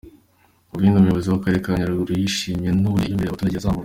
Mu bindi Umuyobozi w’Akarere ka Nyaruguru yishimiye, ni uburyo imyumvire y’abaturage yazamutse.